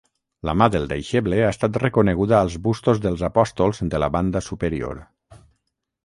La mà del deixeble ha estat reconeguda als bustos dels apòstols de la banda superior.